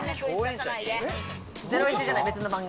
『ゼロイチ』じゃない別の番組。